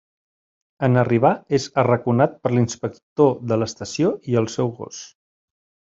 En arribar, és arraconat per l'inspector de l'estació i el seu gos.